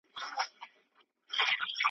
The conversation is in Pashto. جهاني ولي دي تیارې په اوښکو ستړي کړلې !.